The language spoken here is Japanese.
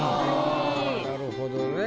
なるほどね。